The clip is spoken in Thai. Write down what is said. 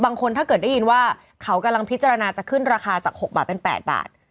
ถ้าเกิดได้ยินว่าเขากำลังพิจารณาจะขึ้นราคาจาก๖บาทเป็น๘บาท